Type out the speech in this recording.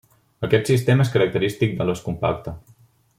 Aquest sistema és característic de l'os compacte.